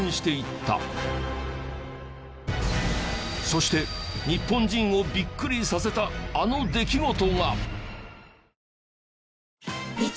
そして日本人をビックリさせたあの出来事が。